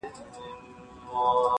زما له زخمي کابله ویني څاڅي-